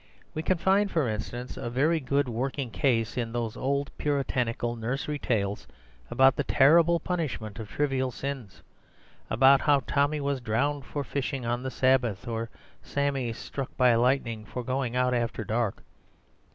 We can find, for instance, a very good working case in those old puritanical nursery tales about the terrible punishment of trivial sins; about how Tommy was drowned for fishing on the Sabbath, or Sammy struck by lightning for going out after dark.